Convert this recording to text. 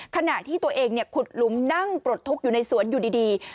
ขณะที่ตัวเองขุดหลุมนั่งปลดทุกข์อยู่ในสวนอยู่ดี